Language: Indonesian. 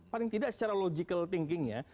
paling tidak secara logical thinking nya